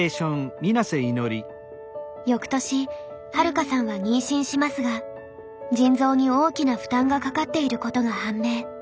よくとしはるかさんは妊娠しますが腎臓に大きな負担がかかっていることが判明。